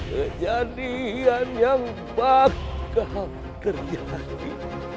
kejadian yang bakal kriani